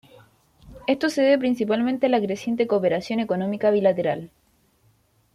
Esto se debe principalmente a la creciente cooperación económica bilateral.